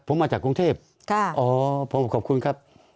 ผมมาจากกรุงเทพอ๋อผมขอบคุณครับ